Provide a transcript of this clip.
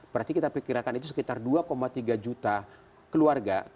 berarti kita perkirakan itu sekitar dua tiga juta keluarga